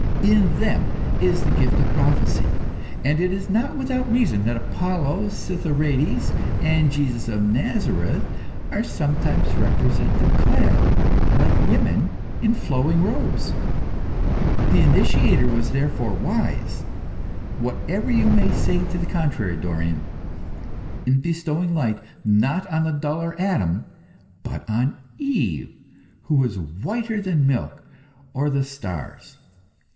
In them is the gift of prophecy, and it is not without reason that Apollo Citharedes, and Jesus of Nazareth, are sometimes represented clad, like women, in flowing robes. The initiator was therefore wise whatever you may say to the contrary, Dorion in bestowing light, not on the duller Adam, but on Eve, who was whiter than milk or the stars.